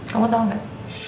kamu tau gak